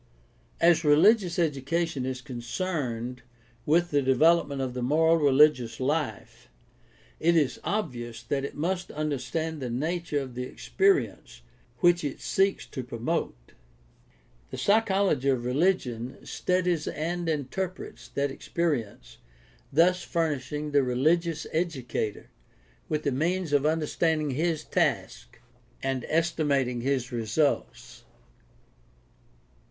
— As religious education is con cerned with the development of the moral religious life, it is obvious that it must understand the nature of the experience which it seeks to promote. The psychology of religion studies and interprets that experience, thus furnishing the religious 648 GUIDE TO STUDY OF CHRISTIAN RELIGION educator with the means of understanding his task and esti mating his results.